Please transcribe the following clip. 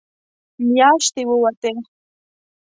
مياشتې ووتې.